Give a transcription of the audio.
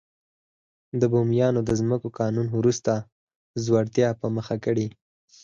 د بومیانو د ځمکو قانون وروسته ځوړتیا په مخه کړې.